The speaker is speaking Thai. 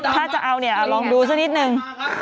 ถ้าจะเอาเนี่ยลองดูสักนิดนึง